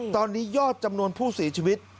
ตอนนี้ยอดจำนวนผู้เสียชีวิต